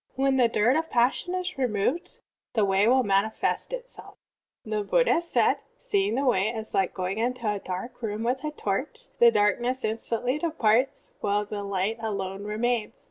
When the dirt of passion is removed the Way will manifest itself." (17) The Buddha said: "Seeing the Way is like going into a dark room with a torch; the darkness instantly departs, while the light alone remains.